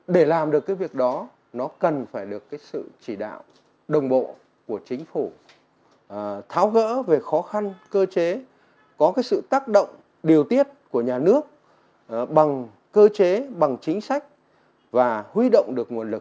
để làm được cái việc đó nó cần phải được cái sự chỉ đạo đồng bộ của chính phủ tháo gỡ về khó khăn cơ chế có cái sự tác động điều tiết của nhà nước bằng cơ chế bằng chính sách và huy động được nguồn lực